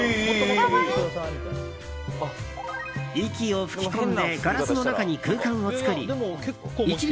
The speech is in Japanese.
息を吹き込んでガラスの中に空間を作り一輪